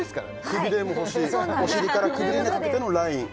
くびれも欲しいお尻からくびれにかけてのライン